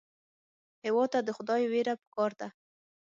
هېواد ته د خدای وېره پکار ده